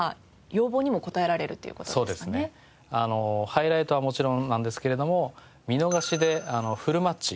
ハイライトはもちろんなんですけれども見逃しでフルマッチ。